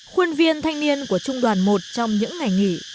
khuôn viên thanh niên của trung đoàn một trong những ngày nghỉ